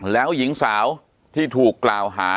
แล้วหญิงสาวที่ถูกกล่าวหา